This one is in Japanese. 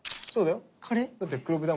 そうだよ。